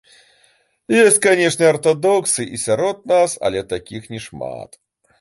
Ёсць, канешне, артадоксы і сярод нас, але такіх няшмат.